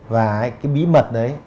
và cái bí mật đấy